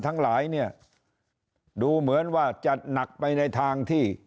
ทั้งหลายเนี่ยดูเหมือนว่าจะหนักไปในทางที่